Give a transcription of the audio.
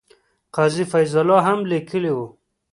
قاضي فیض الله هم لیکلي وو.